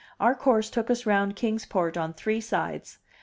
Our course took us round Kings Port on three sides.